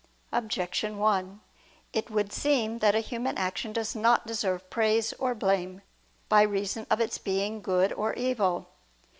Objection 1: It would seem that a human action does not deserve praise or blame by reason of its being good or evil.